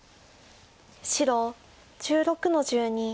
白１６の十二。